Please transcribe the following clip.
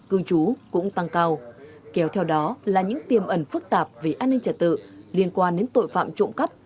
cư trú cũng tăng cao kéo theo đó là những tiềm ẩn phức tạp về an ninh trật tự liên quan đến tội phạm trộm cắp